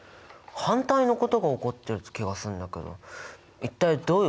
反対のことが起こってる気がするんだけど一体どういうことなの？